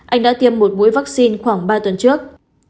anh đã tiêm một mũi vaccine khoảng ba tuần trước